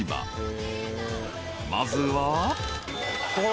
［まずは］